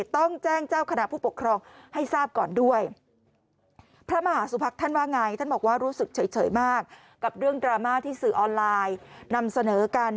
ท่านบอกว่ารู้สึกเฉยมากกับเรื่องดราม่าที่สื่อออนไลน์นำเสนอกัน